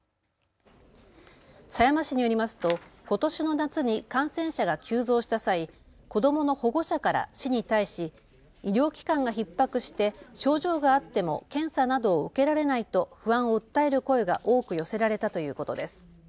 狭山市によりますとことしの夏に感染者が急増した際、子どもの保護者から市に対し医療機関がひっ迫して症状があっても検査などを受けられないと不安を訴える声が多く寄せられたということです。